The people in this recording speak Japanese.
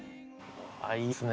ああいいっすね。